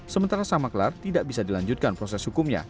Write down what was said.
sementara sang maklar tidak bisa dilanjutkan proses hukumnya